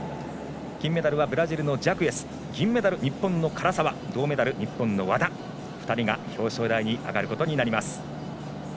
金メダルはブラジルのジャクエス銀メダル、日本の唐澤銅メダル、日本の和田２人が表彰台に上がることになります。